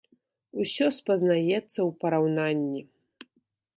Усё спазнаецца ў параўнанні.